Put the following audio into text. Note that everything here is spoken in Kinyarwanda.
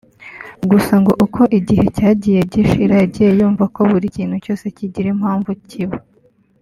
gusa ngo uko igihe cyagiye gishira yagiye yumva ko buri kintu cyose kigira impamvu kiba